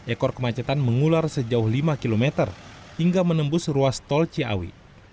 ekor kemacetan mengular sejauh lima km hingga menembus ruas tol ciawi